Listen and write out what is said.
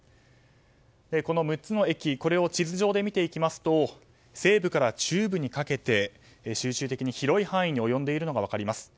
この６つの駅を地図上で見ていきますと西部から中部にかけて集中的に広い範囲に及んでいるのが分かります。